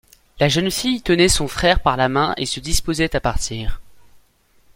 La jeune fille tenait son frère par la main et se disposait à partir.